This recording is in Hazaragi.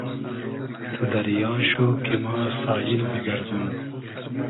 تو دئریا شو کی ما ساییل بیگئردوم